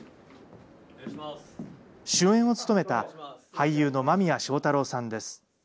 主演を務めた、俳優の間宮祥太朗さんです。